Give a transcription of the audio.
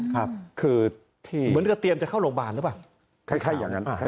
เหมือนกับเตรียมจะเข้าโรงพยาบาลหรือเปล่า